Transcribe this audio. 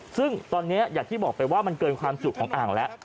ซึ่งตอนนี้อย่างที่บอกไปว่ามันเกินความจุของอ่างแล้ว